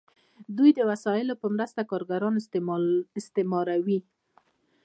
دوی د وسایلو په مرسته کارګران استثماروي.